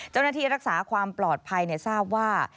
เจ้าหน้าที่รักษาความปลอดภัยทราบว่า